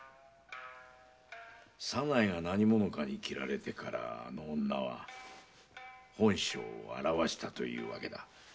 左内が何者かに斬られてからあの女は本性を現したのだ。